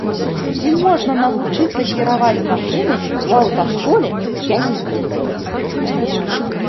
Ці можна навучыцца кіраваць машынай ў аўташколе, я не ведаю.